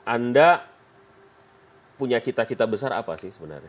anda punya cita cita besar apa sih sebenarnya